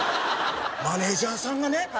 マネージャーさんがね